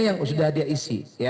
yang sudah dia isi